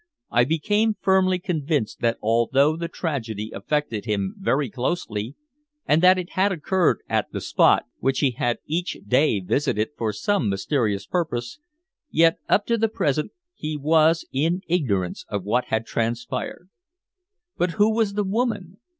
I became firmly convinced that although the tragedy affected him very closely, and that it had occurred at the spot which he had each day visited for some mysterious purpose, yet up to the present he was in ignorance of what had transpired. But who was the woman?